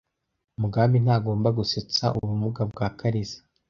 Migambi ntagomba gusetsa ubumuga bwa Kariza .